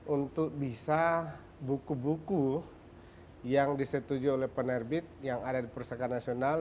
untuk bisa buku buku yang disetujui oleh penerbit yang ada di perpustakaan nasional